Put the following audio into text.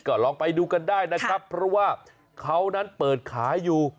ก็ลองไปดูกันได้นะครับเพราะว่าเขานั้นเปิดขายอยู่